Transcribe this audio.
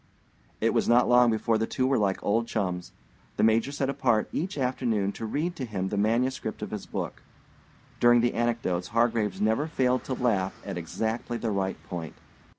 It was not long before the two were like old chums. The Major set apart each afternoon to read to him the manuscript of his book. During the anecdotes Hargraves never failed to laugh at exactly the right point.